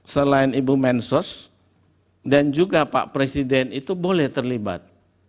selain ibu mensos dan juga pak presiden itu boleh terlibat